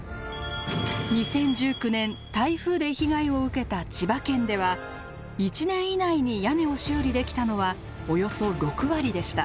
２０１９年台風で被害を受けた千葉県では１年以内に屋根を修理できたのはおよそ６割でした。